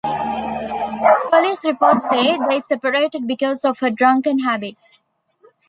Police reports say they separated because of her drunken habits.